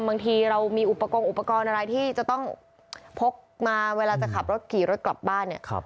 บางทีเรามีอุปกรณ์อุปกรณ์อะไรที่จะต้องพกมาเวลาจะขับรถขี่รถกลับบ้านเนี่ย